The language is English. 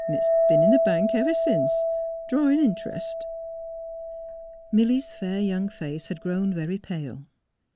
It's been in the bank ever since, drawin' interest. ..." Milly 's fair young face had grown very pale.